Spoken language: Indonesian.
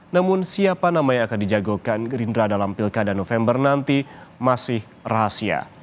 namun siapa nama yang akan dijagokan gerindra dalam pilkada november nanti masih rahasia